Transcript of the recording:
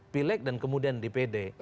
pilek dan kemudian di pd